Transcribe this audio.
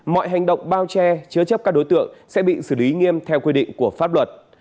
mọi hành động bao che chứa chấp các đối tượng sẽ bị xử lý nghiêm theo quy định của pháp luật